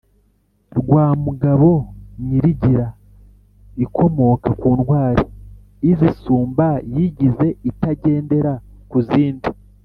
rwa mugabo nyirigira: ikomoka ku ntwari izisumba, yigize(itagendera ku zindi)